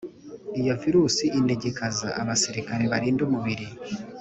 iyo virusi inegekaza abasirikare barinda umubiri